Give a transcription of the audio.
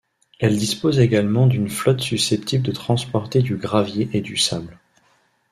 Elle dispose également d'une flotte susceptible de transporter du gravier et du sable.